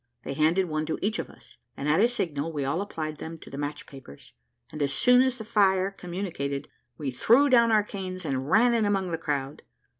They handed one to each of us, and at a signal we all applied them to the match papers, and as soon as the fire communicated, we threw down our canes and ran in among the crowd.